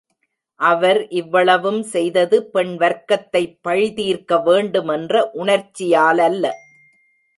அவர் இவ்வளவும் செய்தது பெண் வர்க்கத்தை பழிதீர்க்க வேண்டுமென்ற உணர்ச்சியாலல்ல.